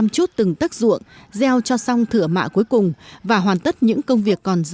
chúc tất cả các bác các anh các chị